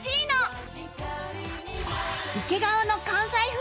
池川の関西風